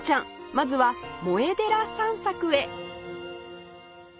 まずは萌え寺散策へ